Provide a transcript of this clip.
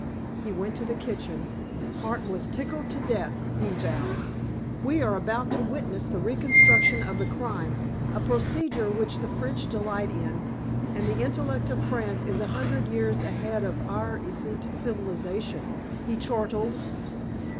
He went to the kitchen. Hart was "tickled to death," he vowed. "We are about to witness the reconstruction of the crime, a procedure which the French delight in, and the intellect of France is a hundred years ahead of our effete civilization," he chortled.